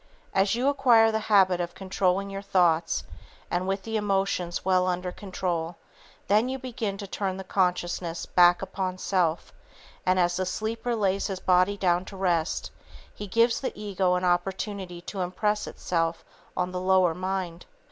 As you acquire the habit of controlling your thoughts and with the emotions well under control, then you begin to turn the consciousness back upon self, and as the sleeper lays his body down to rest he gives the ego an opportunity to impress itself on the lower mind.